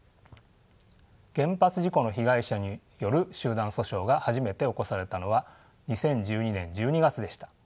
原発事故の被害者による集団訴訟が初めて起こされたのは２０１２年１２月でした。